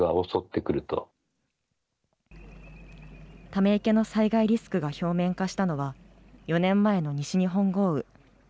ため池の災害リスクが表面化したのは、４年前の西日本豪雨。